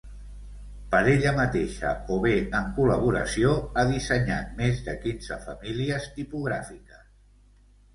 Per ella mateixa o bé en col·laboració, ha dissenyat més de quinze famílies tipogràfiques.